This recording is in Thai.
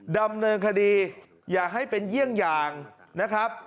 ดำเนินคดีอย่าให้เป็นเยี่ยงอย่างนะครับ